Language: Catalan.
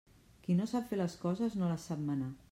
Qui no sap fer les coses no les sap manar.